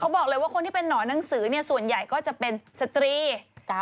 บอกเลยว่าคนที่เป็นหนอนหนังสือเนี่ยส่วนใหญ่ก็จะเป็นสตรี